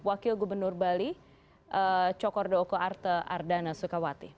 wakil gubernur bali cokordo oko arte ardhanasukawati